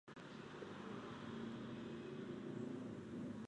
Pada babak grup, Joe Public dipertemukan dengan Atlante, Olimpia, dan Montreal Impact.